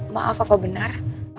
maaf apa benar